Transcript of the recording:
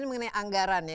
ini mengenai anggaran ya